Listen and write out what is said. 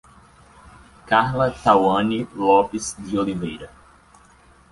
Carla Tawany Lopes de Oliveira